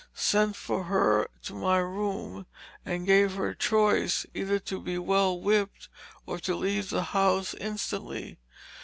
Sent for her to my room, and gave her choice, either to be well whipped or to leave the house instantly.